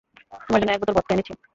তোমার জন্য এক বোতল ভদকা এনেছি।